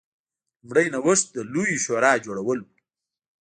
لومړنی نوښت د لویې شورا جوړول و.